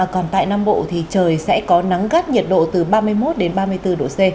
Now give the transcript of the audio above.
còn tại nam bộ thì trời sẽ có nắng gắt nhiệt độ từ ba mươi một đến ba mươi bốn độ c